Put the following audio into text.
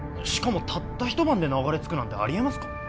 しかもたった一晩で流れ着くなんてあり得ますか？